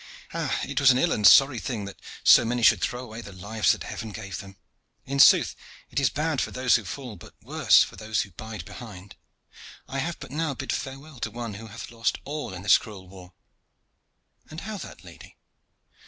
Ah! it was an ill and sorry thing that so many should throw away the lives that Heaven gave them. In sooth, it is bad for those who fall, but worse for those who bide behind. I have but now bid farewell to one who hath lost all in this cruel war." "And how that, lady?"